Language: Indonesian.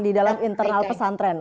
di dalam internal pesantren